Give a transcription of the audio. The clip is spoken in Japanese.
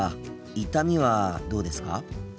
痛みはどうですか？